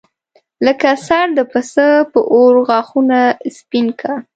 لکه سر د پسه په اور غاښونه سپین کا.